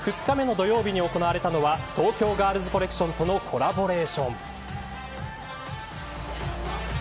開催２日目の土曜日に行われたのは東京ガールズコレクションとのコラボレーション。